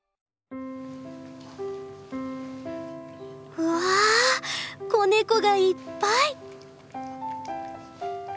うわ子ネコがいっぱい！